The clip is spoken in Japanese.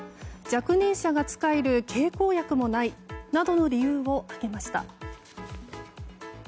若年者が使える経口薬もないなどの理由を挙げました。